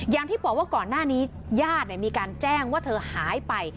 อย่างที่บอกว่าก่อนหน้านี้ญาติมีการแจ้งว่าเธอหายไป